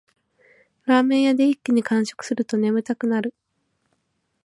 ラーメン屋で一気に完食すると眠たくなる